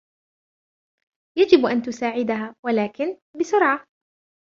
يجب أن تساعدها و لكن بسرعة!